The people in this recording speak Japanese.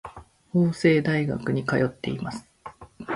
法政大学に通っています。